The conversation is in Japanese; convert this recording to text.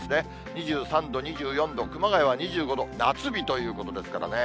２３度、２４度、熊谷は２５度、夏日ということですからね。